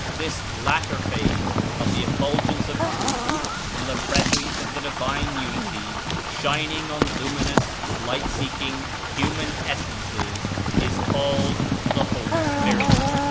This (latter) phase of the Effulgence of Truth from the presence of the Divine Unity, (shining) on lum inous, light seeking, human essences, is called the 'Holy Spirit.'